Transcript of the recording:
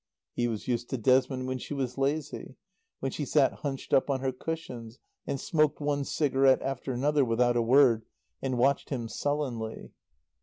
He was used to Desmond when she was lazy; when she sat hunched up on her cushions and smoked one cigarette after another without a word, and watched him sullenly.